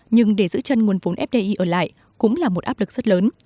nhưng để giữ chân nguồn vốn fdi ở lại cũng là một áp lực rất lớn